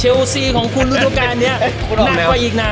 เชลซีของคุณรูดวกานเนี่ยน่ากว่าอีกน่ะ